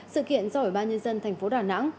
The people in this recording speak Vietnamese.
sự kiện do ủy ban nhân dân tp đà nẵng